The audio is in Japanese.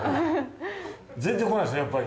全然来ないですねやっぱり。